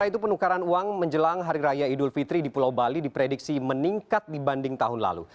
sementara itu penukaran uang menjelang hari raya idul fitri di pulau bali diprediksi meningkat dibanding tahun lalu